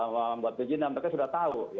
bapak bikinan mereka sudah tahu